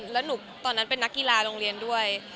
แล้วหนูตอนนั้นเป็นนักกีฬาโรงเรียนด้วย